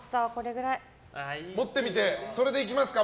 持ってみて、これでいきますか。